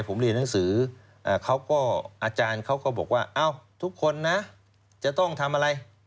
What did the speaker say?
คืออาจารย์เขาก็บอกว่าทุกคนนะจะต้องทำอะไร